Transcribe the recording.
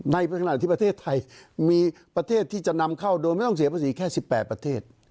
ในขณะที่ประเทศไทยมีประเทศที่จะนำเข้าโดยไม่ต้องเสียภาษีแค่๑๘ประเทศ